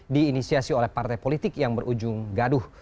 diinisiasi oleh partai politik yang berujung gaduh